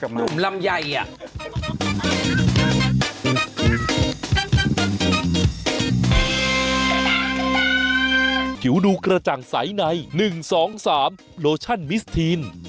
หลุมลำใย